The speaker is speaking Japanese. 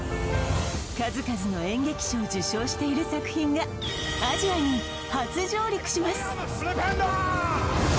数々の演劇賞を受賞している作品がアジアに初上陸します